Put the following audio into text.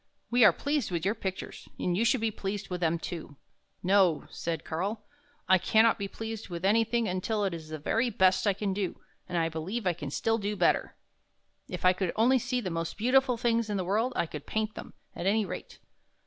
We are pleased with your pictures, and you should be pleased with them, too." " No," said Karl. " I can not be pleased with anything until it is the very best I can do, and I believe I can do still better. If I could only see the most beautiful things in the world, I could paint them, at any rate.